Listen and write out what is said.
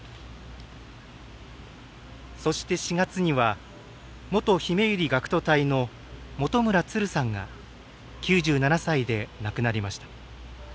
そして、４月には元ひめゆり学徒隊の本村つるさんが９７歳で亡くなりました。